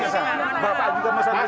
bapak juga masyarakat